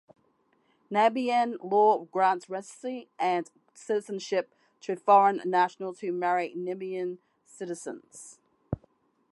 Namibian law grants residency and citizenship to foreign nationals who marry Namibian citizens.